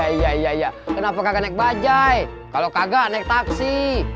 iya iya kenapa kagak naik bajai kalau kagak naik taksi